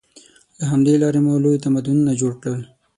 له همدې لارې مو لوی تمدنونه جوړ کړل.